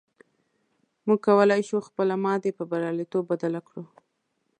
موږ کولی شو خپله ماتې پر برياليتوب بدله کړو.